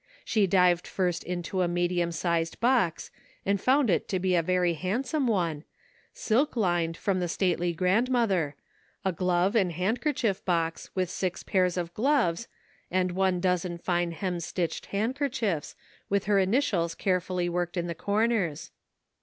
She dived first into a medium sized box, and found it to be a very handsome one, silk lined, from the stately grandmother; a glove and handkerchief box, with six pairs of gloves, and one dozen fine hemstitched handkerchiefs, with her initials carefully worked in the corners.